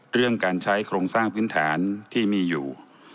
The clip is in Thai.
เรื่องการใช้โครงสร้างพื้นฐานที่มีอยู่